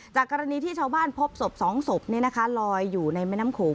จากกรณีที่ชาวบ้านพบศพสองศพเนี้ยนะคะรอยอยู่ในแม่น้ำโขง